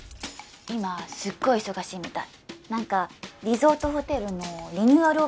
今すっごい忙しいみたい何かリゾートホテルのリニューアル